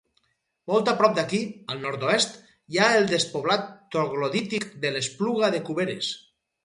Molt a prop d'aquí, al nord-oest, hi ha el despoblat troglodític de l'Espluga de Cuberes.